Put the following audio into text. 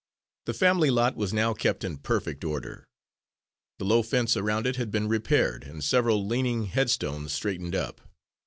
The family lot was now kept in perfect order. The low fence around it had been repaired, and several leaning headstones straightened up.